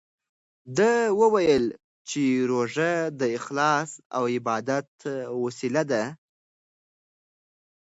ده وویل چې روژه د اخلاص او عبادت وسیله ده.